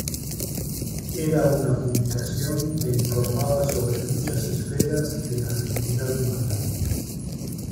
Era una publicación que informaba sobre muchas esferas de la actividad humana.